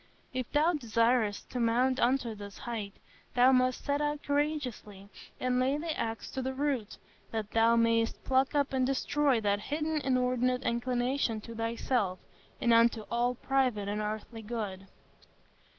If thou desirest to mount unto this height, thou must set out courageously, and lay the axe to the root, that thou mayest pluck up and destroy that hidden inordinate inclination to thyself, and unto all private and earthly good.